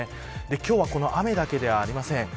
今日はこの雨だけではありません。